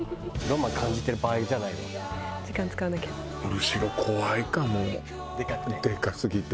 むしろ怖いかもでかすぎて。